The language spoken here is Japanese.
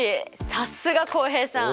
さすが浩平さん！